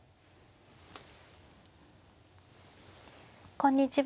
こんにちは。